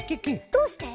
どうして？